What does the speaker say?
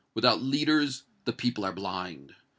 Without leaders, the people are blind!